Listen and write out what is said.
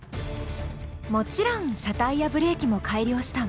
もちろん車体やブレーキも改良したわ。